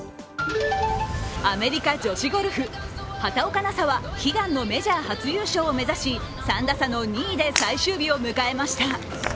アメリカ女子ゴルフ。畑岡奈紗は悲願のメジャー初優勝を目指し、３打差の２位で最終日を迎えました。